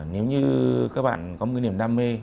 nếu như các bạn có một cái niềm đam mê